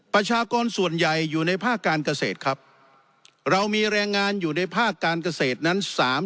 ประชากรส่วนใหญ่อยู่ในภาคการเกษตรครับเรามีแรงงานอยู่ในภาคการเกษตรนั้น